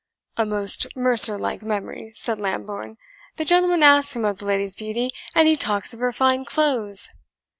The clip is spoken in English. "A most mercer like memory!" said Lambourne. "The gentleman asks him of the lady's beauty, and he talks of her fine clothes!"